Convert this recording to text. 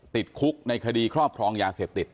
ติดคุกในคดีครอบครองยาเสพติด